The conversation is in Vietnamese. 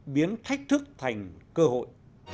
biến thách thức thành cơ hội